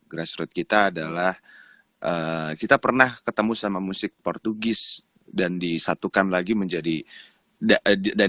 grassroot kita adalah kita pernah ketemu sama musik portugis dan disatukan lagi menjadi dan